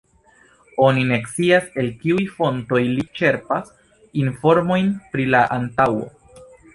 Oni ne scias el kiuj fontoj li ĉerpas informojn pri la antaŭo.